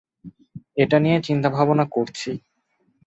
এটা নিয়ে চিন্তাভাবনা করছি।